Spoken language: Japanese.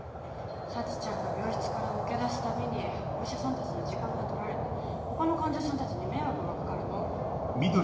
沙智ちゃんが病室から抜け出すたびにお医者さんたちの時間が取られて他の患者さんたちに迷惑が掛かるの。